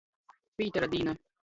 Pītera dīna.